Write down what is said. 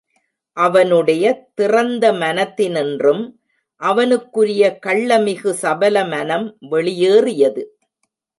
அவனுடைய திறந்த மனத்தினின்றும் அவனுக்குரிய கள்ளமிகு சபலமனம் வெளியேறியது!